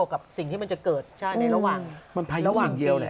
กับสิ่งที่มันจะเกิดใช่ในระหว่างเดียวแหละ